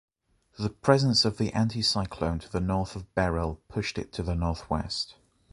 The presence of the anticyclone to the north of Beryl pushed it to the northwest.